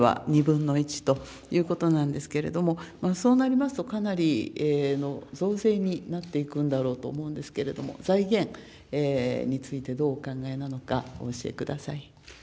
現在は２分の１ということなんですけれども、そうなりますと、かなりの増税になっていくんだろうと思うんですけれども、財源についてどうお考えなのか、お教えください。